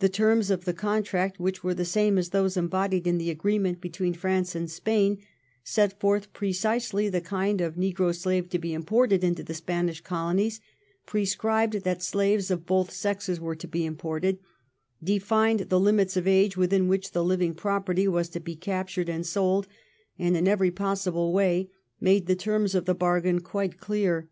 The terms of the contract, which were the same as those embodied in the agreement between France and Spain, set forth pre cisely the kind of negro slave to be imported into the Spanish colonies, prescribed that slaves of both sexes were to be imported, defined the limits of age within which the living property was to be captured and sold, and in every possible way made the terms of the bargain quite clear.